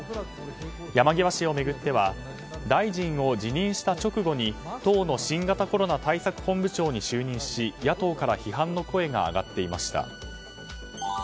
山際氏を巡っては大臣を辞任した直後に党の新型コロナ対策本部長に就任し、野党から批判の声が上がっていました。